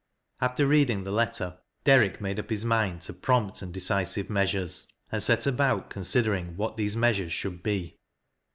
After reading the letter. Derrick made up his mind tc prompt and decisive measures, and set about considering THE OPEN "DAVr.' lOfc what these measures should be.